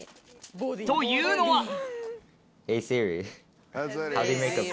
ボというのは。